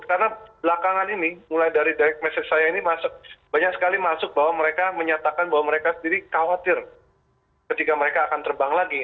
karena belakangan ini mulai dari direct message saya ini banyak sekali masuk bahwa mereka menyatakan bahwa mereka sendiri khawatir ketika mereka akan terbang lagi